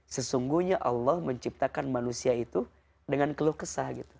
sesungguhnya allah menciptakan manusia itu dengan keluh kesah gitu